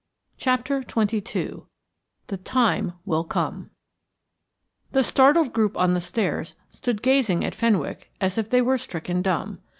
CHAPTER XXII "THE TIME WILL COME" The startled group on the stairs stood gazing at Fenwick as if they were stricken dumb.